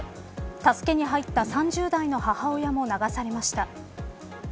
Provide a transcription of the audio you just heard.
助けに入った３０代の母親も流されました。